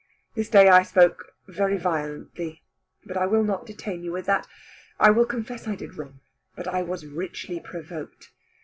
This day I spoke very violently. But I will not detain you with that. I will confess I did wrong; but I was richly provoked.